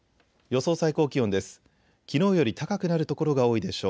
予想最高気温です。